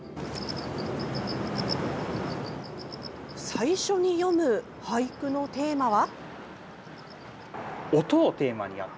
最初に詠む俳句のテーマは？